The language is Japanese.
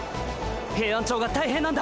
ヘイアンチョウがたいへんなんだ！